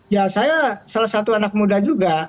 ya saya salah satu anak muda juga